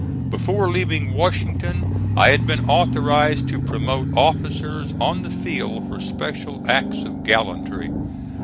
Before leaving Washington I had been authorized to promote officers on the field for special acts of gallantry.